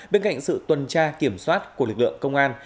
bên cạnh sự tuần tra kiểm soát của lực lượng công an